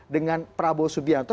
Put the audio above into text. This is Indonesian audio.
dengan prabowo subiranto